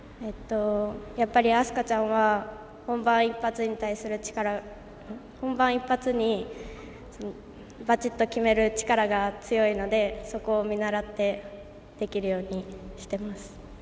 やっぱり明日香ちゃんは本番一発にばちっと決める力が強いのでそこを見習ってできるようにしています。